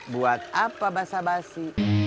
buat apa bahasa bahasi